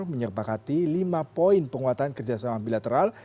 menyepakati lima poin penguatan kerjasama bilateral